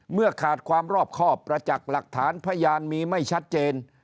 เมื่อขาดความรอบครอบประจักษ์หลักฐานพยานมีไม่ชัดเจน